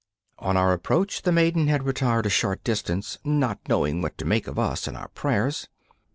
On our approach the maiden had retired a short distance, not knowing what to make of us and our prayers.